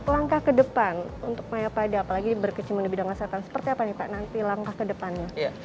langkah ke depan untuk mayapada apalagi berkecimpung di bidang kesehatan seperti apa nih pak nanti langkah ke depannya